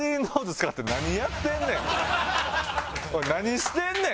おい何してんねん！